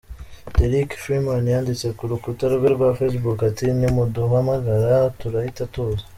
Derrick Freeman yanditse ku rukuta rwe rwa Facebook ati “ Nimuduhamagara turahita tuza.